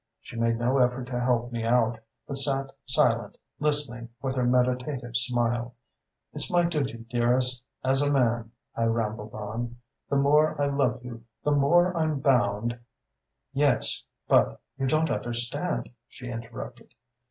She made no effort to help me out, but sat silent, listening, with her meditative smile. 'It's my duty, dearest, as a man,' I rambled on. The more I love you the more I'm bound ' "'Yes; but you don't understand,' she interrupted.